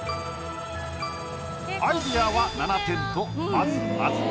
アイディアは７点とまずまず。